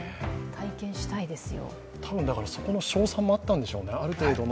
体験したいですよ。